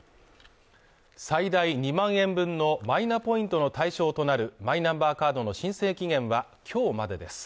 最大２万円分のマイナポイントの対象となるマイナンバーカードの申請期限は今日までです。